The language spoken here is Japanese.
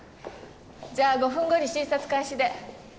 じゃあ５分後に診察開始で。